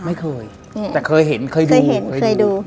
ไม่เคยแต่เคยเห็นเคยดู